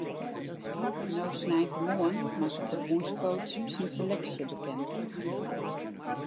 No sneintemoarn makket de bûnscoach syn seleksje bekend.